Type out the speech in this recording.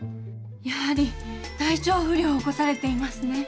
やはり体調不良を起こされていますね。